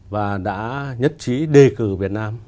và đã nhất trí đề cử việt nam